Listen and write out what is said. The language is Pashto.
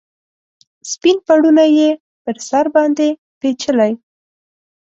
سپین پوړنې یې پر سر باندې پیچلي